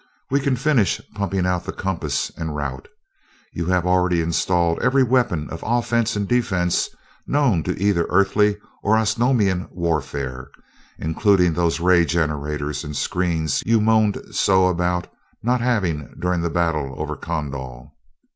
We can finish pumping out the compass en route. You have already installed every weapon of offense and defense known to either Earthly or Osnomian warfare, including those ray generators and screens you moaned so about not having during the battle over Kondal.